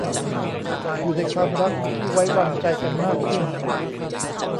อยู่ในความรักที่ไว้วางใจกันมากขึ้น